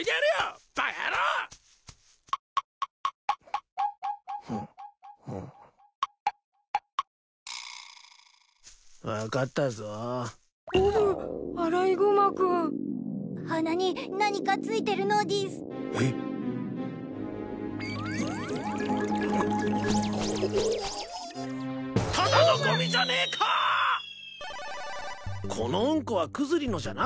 このウンコはクズリのじゃなかったよ。